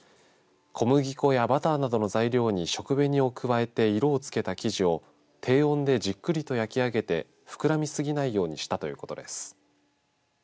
小麦粉やバターなどの食材に食紅を加えて色を付けた生地を低温でじっくりと焼き上げて膨らみすぎないようにしたということです。